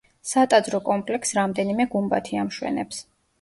სატაძრო კომპლექსს რამდენიმე გუმბათი ამშვენებს.